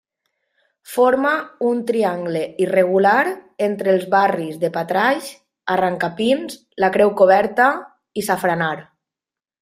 Forma un triangle irregular entre els barris de Patraix, Arrancapins, la Creu Coberta i Safranar.